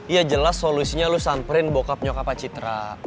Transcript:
iya jelas solusinya lo samperin bokap nyokap pacitra